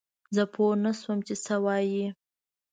زه پوه نه شوم چې څه وايي؟